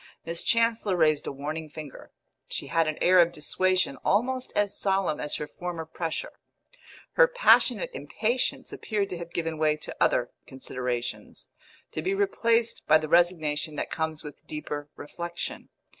Miss Chancellor raised a warning finger; she had an air of dissuasion almost as solemn as her former pressure; her passionate impatience appeared to have given way to other considerations, to be replaced by the resignation that comes with deeper reflexion.